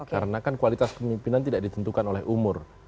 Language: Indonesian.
karena kan kualitas kemimpinan tidak ditentukan oleh umur